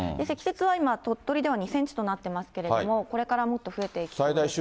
積雪は今、鳥取では２センチとなってますけれども、これからもっと増えてい最大